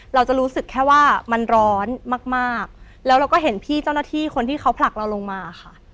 เราจะรู้สึกแค่ว่ามันร้อนมากแล้วเราก็เห็นพี่เจ้าหน้าที่คนที่เขาผลักเราลงมาค่ะ